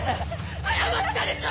謝ったでしょ